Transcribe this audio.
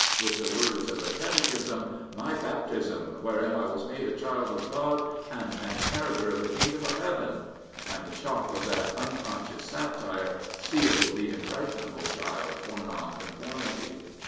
with the words of the Catechism, " My baptism, wherein I was made a child of God and an inheritor of the Kingdom of Heaven," and the shock of that unconscious satire sealed the impressionable child for Nonconformity.